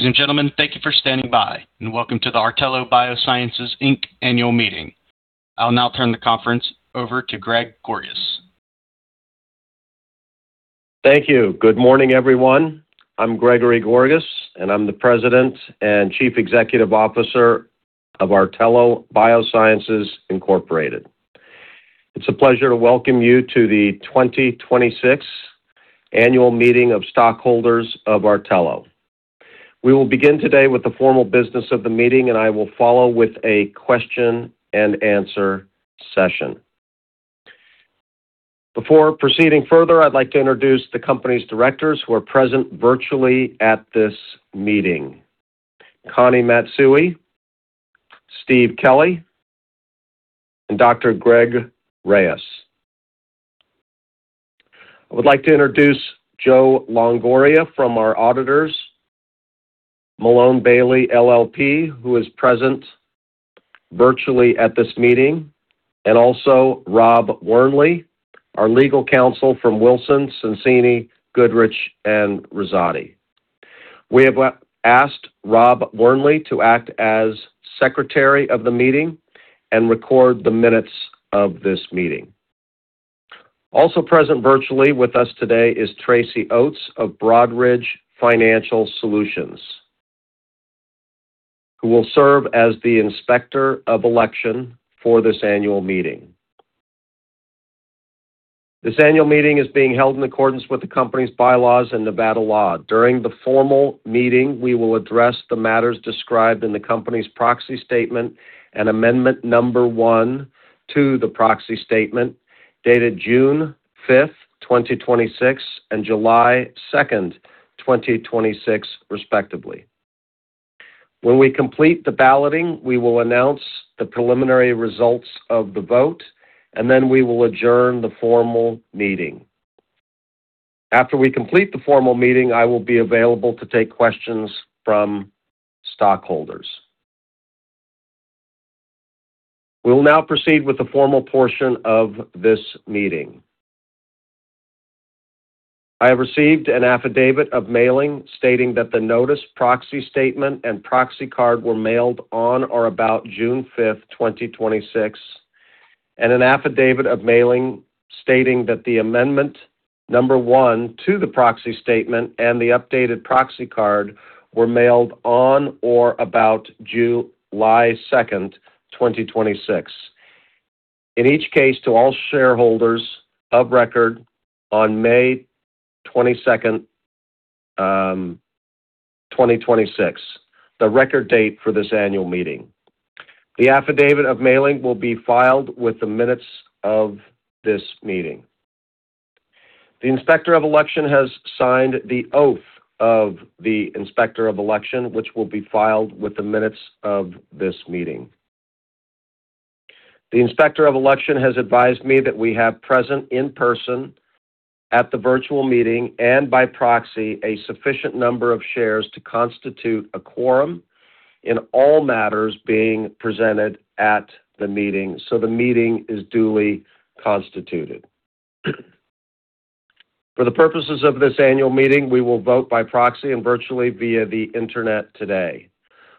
Ladies and gentlemen, thank you for standing by, and welcome to the Artelo Biosciences, Inc. annual meeting. I'll now turn the conference over to Greg Gorgas. Thank you. Good morning, everyone. I'm Gregory Gorgas, and I'm the President and Chief Executive Officer of Artelo Biosciences Incorporated. It's a pleasure to welcome you to the 2026 Annual Meeting of Stockholders of Artelo. We will begin today with the formal business of the meeting, and I will follow with a question-and-answer session. Before proceeding further, I'd like to introduce the company's directors who are present virtually at this meeting. Connie Matsui, Steve Kelly, and Dr. Greg Reyes. I would like to introduce Joe Longoria from our auditors, MaloneBailey, LLP, who is present virtually at this meeting, and also Rob Wernly, our legal counsel from Wilson Sonsini Goodrich & Rosati. We have asked Rob Wernly to act as secretary of the meeting and record the minutes of this meeting. Also present virtually with us today is Tracy Oates of Broadridge Financial Solutions, who will serve as the Inspector of Election for this annual meeting. This annual meeting is being held in accordance with the company's bylaws and Nevada law. During the formal meeting, we will address the matters described in the company's proxy statement and amendment number one to the proxy statement dated June 5th, 2026, and July 2nd, 2026, respectively. When we complete the balloting, we will announce the preliminary results of the vote. Then we will adjourn the formal meeting. After we complete the formal meeting, I will be available to take questions from stockholders. We will now proceed with the formal portion of this meeting. I have received an affidavit of mailing stating that the notice proxy statement and proxy card were mailed on or about June 5th, 2026, and an affidavit of mailing stating that the amendment number one to the proxy statement and the updated proxy card were mailed on or about July 2nd, 2026. In each case, to all shareholders of record on May 22nd, 2026, the record date for this annual meeting. The affidavit of mailing will be filed with the minutes of this meeting. The Inspector of Election has signed the oath of the Inspector of Election, which will be filed with the minutes of this meeting. The Inspector of Election has advised me that we have present in person at the virtual meeting and by proxy, a sufficient number of shares to constitute a quorum in all matters being presented at the meeting. The meeting is duly constituted. For the purposes of this annual meeting, we will vote by proxy and virtually via the internet today.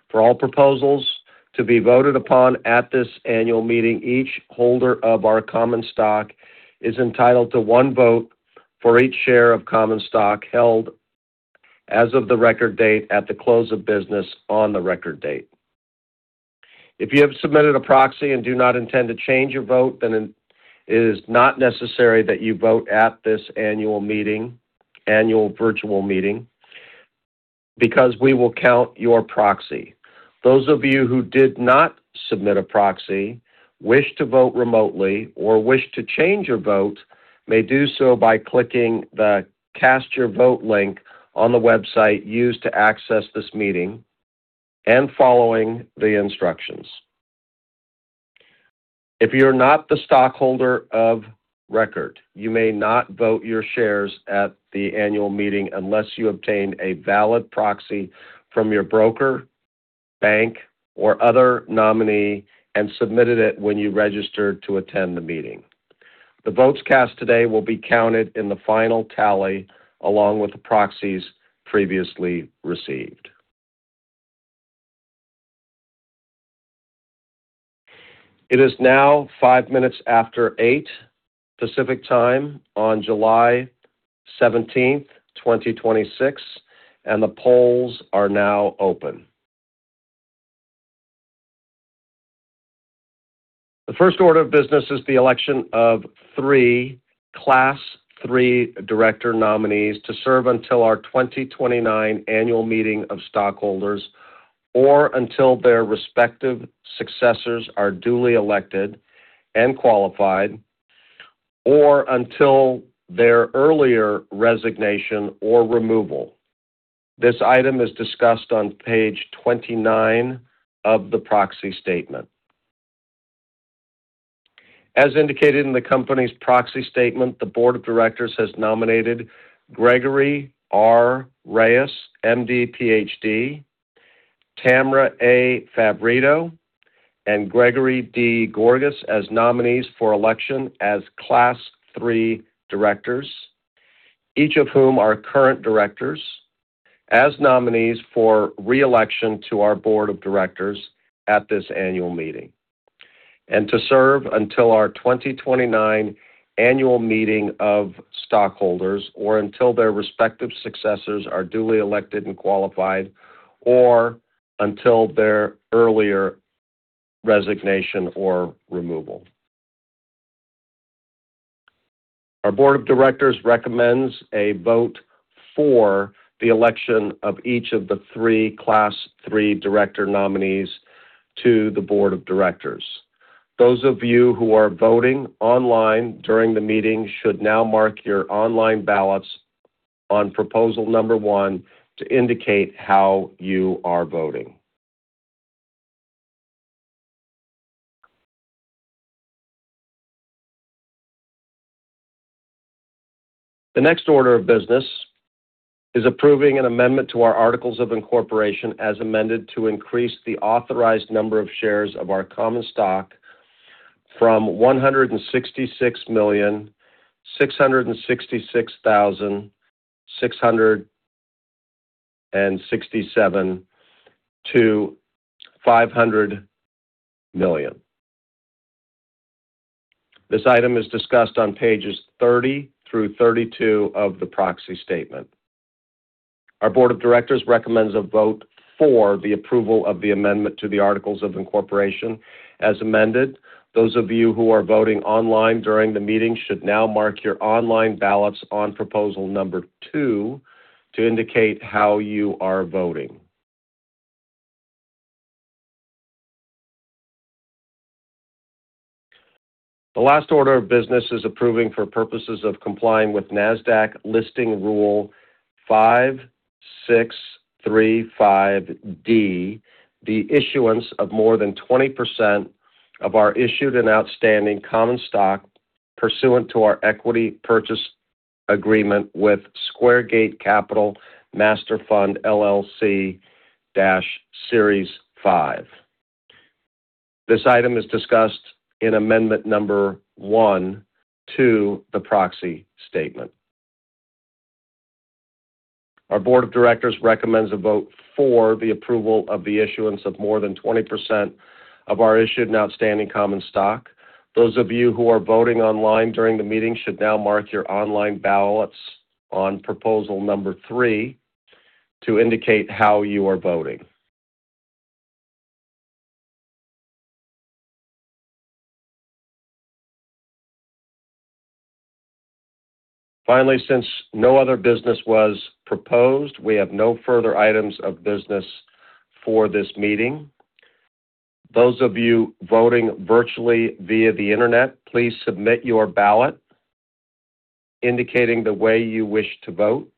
For all proposals to be voted upon at this annual meeting, each holder of our common stock is entitled to one vote for each share of common stock held as of the record date at the close of business on the record date. If you have submitted a proxy and do not intend to change your vote, then it is not necessary that you vote at this annual virtual meeting, because we will count your proxy. Those of you who did not submit a proxy, wish to vote remotely or wish to change your vote, may do so by clicking the Cast Your Vote link on the website used to access this meeting and following the instructions. If you're not the stockholder of record, you may not vote your shares at the annual meeting unless you obtain a valid proxy from your broker, bank, or other nominee and submitted it when you registered to attend the meeting. The votes cast today will be counted in the final tally along with the proxies previously received. It is now five minutes after 8:00 Pacific Time on July 17th, 2026, and the polls are now open. The first order of business is the election of three Class III director nominees to serve until our 2029 Annual Meeting of Stockholders or until their respective successors are duly elected and qualified, or until their earlier resignation or removal. This item is discussed on page 29 of the proxy statement. As indicated in the company's proxy statement, the board of directors has nominated Gregory R. Reyes, MD, PhD Tamara A. Favorito. And Gregory D. Gorgas as nominees for election as Class III directors, each of whom are current directors, as nominees for re-election to our board of directors at this annual meeting and to serve until our 2029 Annual Meeting of Stockholders or until their respective successors are duly elected and qualified, or until their earlier resignation or removal. Our board of directors recommends a vote for the election of each of the three Class III director nominees to the board of directors. Those of you who are voting online during the meeting should now mark your online ballots on proposal number one to indicate how you are voting. The next order of business is approving an amendment to our articles of incorporation as amended to increase the authorized number of shares of our common stock from 166,666,667 to 500 million. This item is discussed on pages 30 through 32 of the proxy statement. Our board of directors recommends a vote for the approval of the amendment to the articles of incorporation as amended. Those of you who are voting online during the meeting should now mark your online ballots on proposal number two to indicate how you are voting. The last order of business is approving, for purposes of complying with Nasdaq Listing Rule 5635(d), the issuance of more than 20% of our issued and outstanding common stock pursuant to our equity purchase agreement with Square Gate Capital Master Fund, LLC – Series 5. This item is discussed in amendment number one to the proxy statement. Our board of directors recommends a vote for the approval of the issuance of more than 20% of our issued and outstanding common stock. Those of you who are voting online during the meeting should now mark your online ballots on proposal number three to indicate how you are voting. Since no other business was proposed, we have no further items of business for this meeting. Those of you voting virtually via the internet, please submit your ballot indicating the way you wish to vote.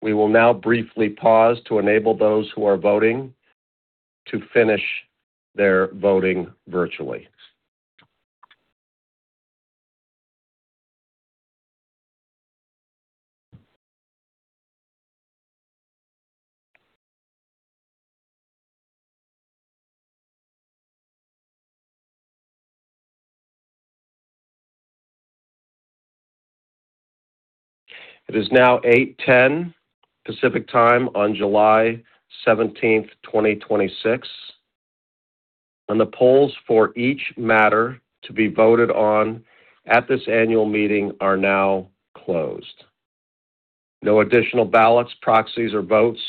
We will now briefly pause to enable those who are voting to finish their voting virtually. It is now 8:10 Pacific Time on July 17th, 2026, and the polls for each matter to be voted on at this annual meeting are now closed. No additional ballots, proxies, or votes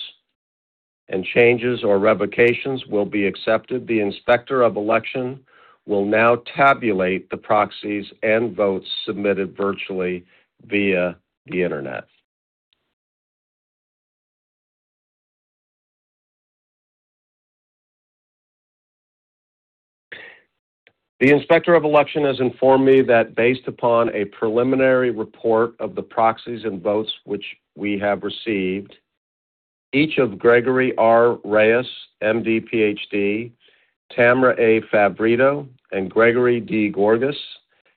and changes or revocations will be accepted. The Inspector of Election will now tabulate the proxies and votes submitted virtually via the internet. The Inspector of Election has informed me that based upon a preliminary report of the proxies and votes which we have received, each of Gregory R. Reyes, MD, PhD, Tamara A. Favorito, and Gregory D. Gorgas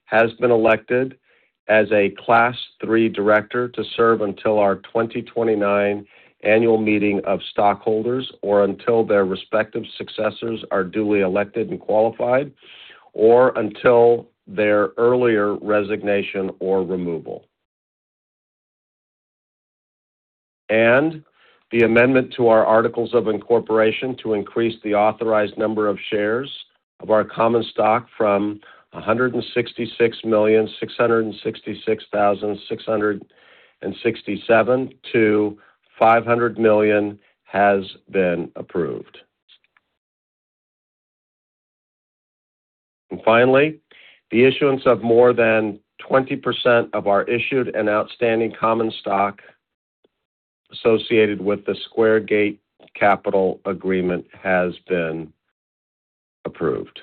has been elected as a Class III Director to serve until our 2029 Annual Meeting of Stockholders or until their respective successors are duly elected and qualified, or until their earlier resignation or removal. The amendment to our articles of incorporation to increase the authorized number of shares of our common stock from 166,666,667 to 500 million has been approved. The issuance of more than 20% of our issued and outstanding common stock associated with the Square Gate Capital agreement has been approved.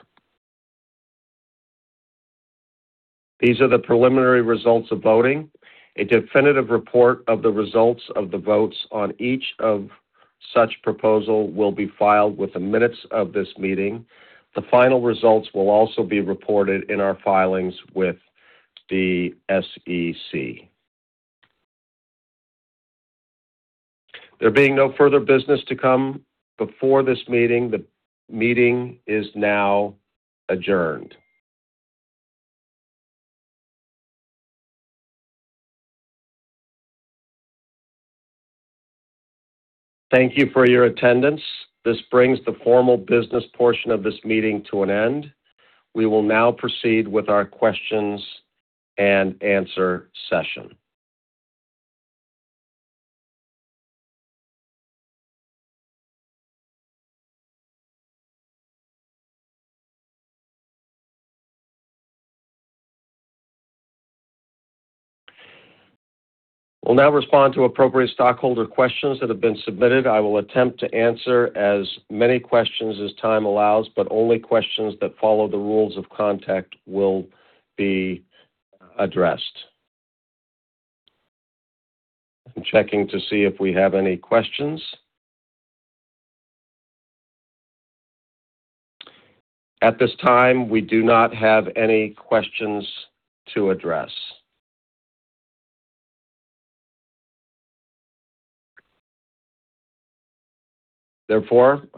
These are the preliminary results of voting. A definitive report of the results of the votes on each of such proposal will be filed with the minutes of this meeting. The final results will also be reported in our filings with the SEC. There being no further business to come before this meeting, the meeting is now adjourned. Thank you for your attendance. This brings the formal business portion of this meeting to an end. We will now proceed with our questions-and-answer session. We'll now respond to appropriate stockholder questions that have been submitted. I will attempt to answer as many questions as time allows, but only questions that follow the rules of conduct will be addressed. I'm checking to see if we have any questions. At this time, we do not have any questions to address.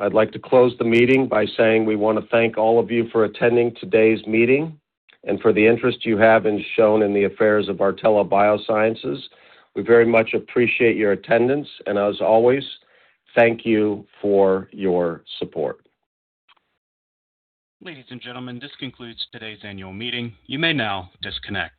I'd like to close the meeting by saying we want to thank all of you for attending today's meeting and for the interest you have and shown in the affairs of Artelo Biosciences. We very much appreciate your attendance, and as always, thank you for your support. Ladies and gentlemen, this concludes today's annual meeting. You may now disconnect.